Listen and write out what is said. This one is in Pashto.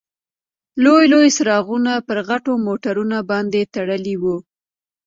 لوی لوی څراغونه پر غټو موټرونو باندې تړلي وو.